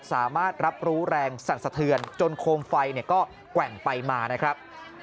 สามารถรับรู้แรงสั่นสะเทือนจนโคมไฟก็แกว่งไปมานะครับ